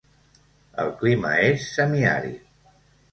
El clima és semiàrid.